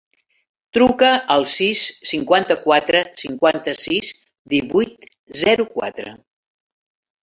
Truca al sis, cinquanta-quatre, cinquanta-sis, divuit, zero, quatre.